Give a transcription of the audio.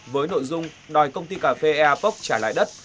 với nội dung đòi công ty cà phê eapoc trả lại đất